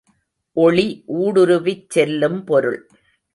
ஒளி ஊடுருவிச் செல்லும் பொருள்.